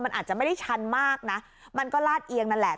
มันอาจจะไม่ได้ชันมากนะมันก็ลาดเอียงนั่นแหละ